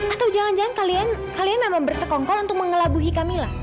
atau jangan jangan kalian memang bersekongkol untuk mengelabuhi kamila